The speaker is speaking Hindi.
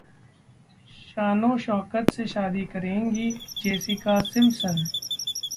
शानोशौकत से शादी करेंगी जेसिका सिम्पसन